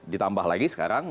ditambah lagi sekarang